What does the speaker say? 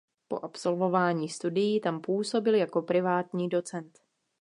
Po absolvování studií tam působil jako privátní docent.